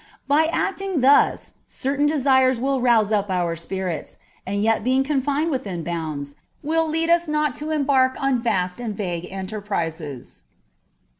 By acting thus certain desires will rouse up our spirits, and yet being confined within bounds, will not lead us to embark on vast and vague enterprises.